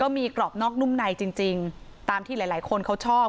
มีกรอบนอกนุ่มในจริงตามที่หลายคนเขาชอบ